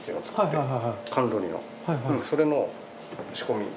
それの仕込み。